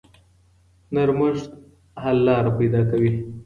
نرمښت حل لارې پیدا کوي.